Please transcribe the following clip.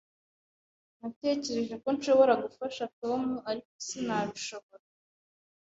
Natekereje ko nshobora gufasha Tom, ariko sinabishobora.